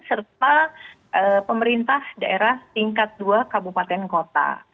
serta pemerintah daerah tingkat dua kabupaten kota